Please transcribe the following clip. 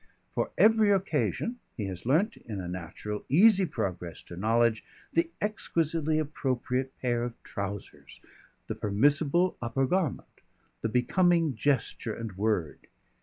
For every occasion he has learnt, in a natural easy progress to knowledge, the exquisitely appropriate pair of trousers, the permissible upper garment, the becoming gesture and word.